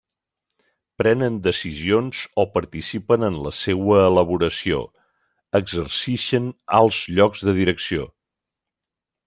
Prenen decisions o participen en la seua elaboració, exercixen alts llocs de direcció.